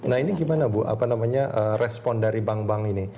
nah ini gimana bu apa namanya respon dari bank bank ini